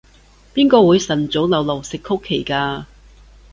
邊個會晨早流流食曲奇㗎？